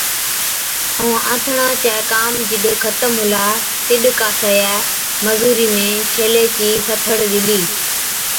ائُون آنٿڻان چَي ڪام جڏ ختم هُلا، تِڏ ڪاسائِيئَي مزُورِي ۾ ڇيلي چِي سٿڙ ڏِلِي۔